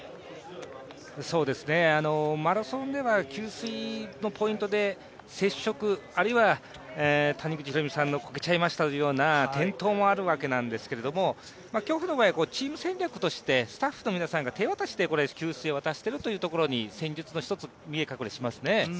マラソンでは給水のポイントで接触あるいは谷口浩美さんのこけちゃいましたのような転倒もあるわけなんですが競歩の場合はチーム戦略としてスタッフの皆さんが手渡しで給水を渡しているというところが戦術の一つ、見え隠れしますね。